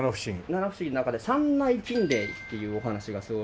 七不思議の中で『山内禁鈴』っていうお話がすごい面白くて。